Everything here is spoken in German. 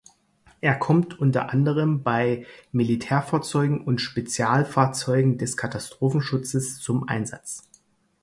Er kommt unter anderem bei Militärfahrzeugen und Spezialfahrzeugen des Katastrophenschutzes zum Einsatz.